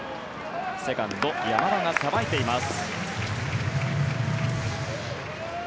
セカンド、山田がさばいています。